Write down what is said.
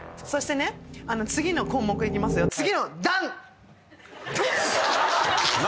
そしてね次の項目いきますよ。